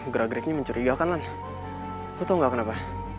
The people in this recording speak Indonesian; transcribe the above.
gerak geriknya mencurigakan lan lo tau gak kenapa